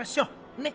ねっ。